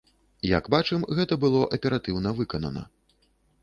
Як бачым, гэта было аператыўна выканана.